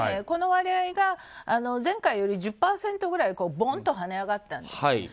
この割合が前回より１０％ぐらいぼんとはね上がったんですね。